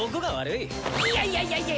いやいやいやいや！